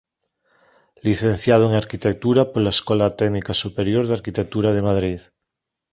Licenciado en arquitectura pola Escola Técnica Superior de Arquitectura de Madrid.